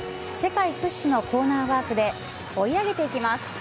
世界屈指のコーナーワークで追い上げていきます。